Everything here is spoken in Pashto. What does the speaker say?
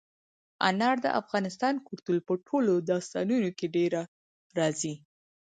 انار د افغان کلتور په ټولو داستانونو کې ډېره راځي.